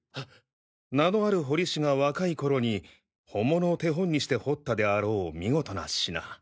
名のある彫り師が若い頃に本物を手本にして彫ったであろう見事な品。